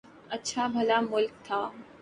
اچھا بھلا ملک تھا۔